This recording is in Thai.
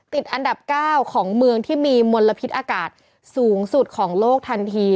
ติดอันดับ๙ของเมืองที่มีมลพิษอากาศสูงสุดของโลกทันที